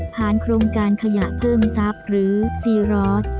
ผ่านโครงการขยะเพิ่มซับหรือซีรอส